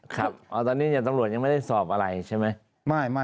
ครับตอนนี้ตำรวจยังไม่ได้สอบอะไรใช่ไหม